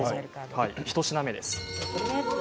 一品目です。